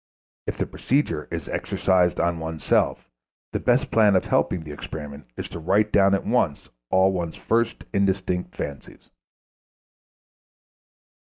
If the procedure is exercised on oneself, the best plan of helping the experiment is to write down at once all one's first indistinct fancies.